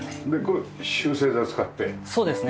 そうですね。